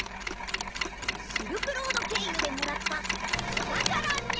シルクロードけいゆでもらったおたからニャ！